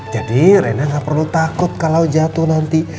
jadi rena gak perlu takut kalau jatuh nanti